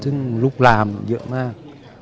ซึ่งลุกลามเยอะมาก